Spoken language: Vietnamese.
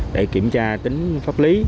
để kiểm tra tính pháp lý